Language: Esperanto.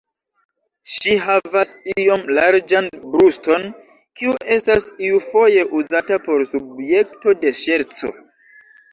Ŝi havas iom larĝan bruston, kiu estas iufoje uzata por subjekto de ŝerco.